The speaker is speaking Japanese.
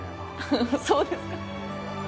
フフそうですか？